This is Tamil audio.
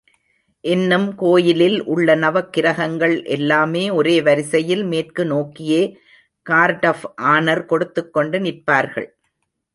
இன்னும் கோயிலில் உள்ள நவக்கிரகங்கள் எல்லாமே ஒரே வரிசையில் மேற்கு நோக்கியே கார்ட் ஆப் ஆனர் கொடுத்துக்கொண்டு நிற்பார்கள்.